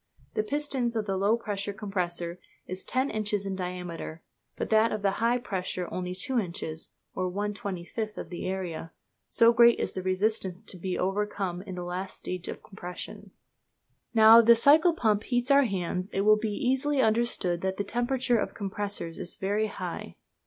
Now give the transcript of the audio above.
The pistons of the low pressure compressor is ten inches in diameter, but that of the high pressure only two inches, or 1/25 of the area, so great is the resistance to be overcome in the last stage of compression. Now, if the cycle pump heats our hands, it will be easily understood that the temperature of the compressors is very high.